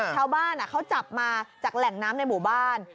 ชาวบ้านเขาจับมาจากแหล่งน้ำในหมู่บ้าน